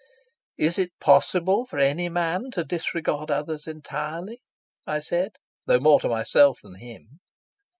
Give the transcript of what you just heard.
"Is it possible for any man to disregard others entirely?" I said, though more to myself than to him.